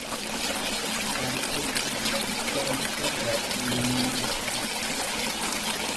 রায়পুর উপজেলার উত্তরাংশে রায়পুর ইউনিয়নের অবস্থান।